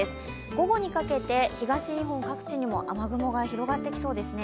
午後にかけて東日本各地にも雨雲が広がってきそうですね。